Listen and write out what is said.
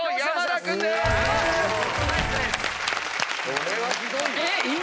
これはひどいよ。